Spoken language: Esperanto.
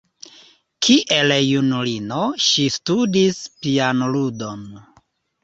Kiel junulino ŝi studis pianludon.